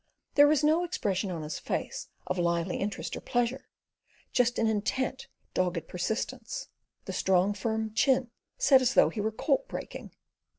There was no expression on his face of lively interest or pleasure, just an intent, dogged persistence; the strong, firm chin set as though he were colt breaking.